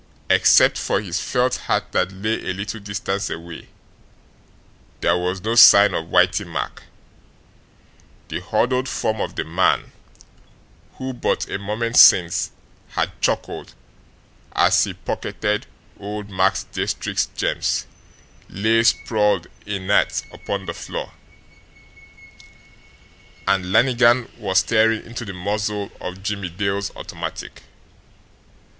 Except for his felt hat that lay a little distance away, there was no sign of Whitey Mack; the huddled form of the man, who but a moment since had chuckled as he pocketed old Max Diestricht's gems, lay sprawled, inert, upon the floor, and Lannigan was staring into the muzzle of Jimmie Dale's automatic.